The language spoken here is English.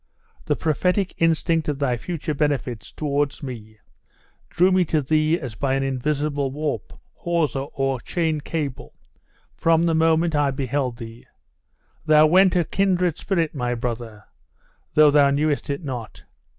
The prophetic instinct of thy future benefits towards me drew me to thee as by an invisible warp, hawser, or chain cable, from the moment I beheld thee. Thou went a kindred spirit, my brother, though thou knewest it not.